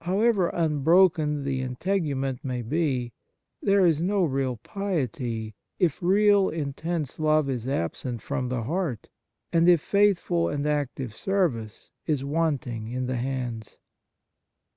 However unbroken the integument may be, there is no real piety if real, intense love is absent from the heart, and if faithful and active service is wanting in the hands.